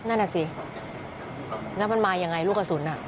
นั่นน่ะสิแล้วมันมายังไงลูกกระสุน